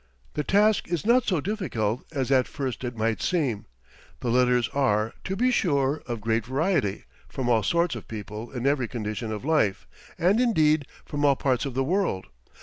The task is not so difficult as at first it might seem. The letters are, to be sure, of great variety, from all sorts of people in every condition of life, and indeed, from all parts of the world.